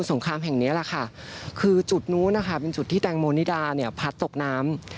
งครามแห่งนี้แหละค่ะคือจุดนู้นนะคะเป็นจุดที่แตงโมนิดาเนี่ยพัดตกน้ำ